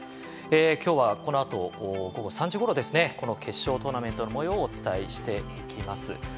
今日はこのあと午後３時ごろ決勝トーナメントのもようをお伝えしていきます。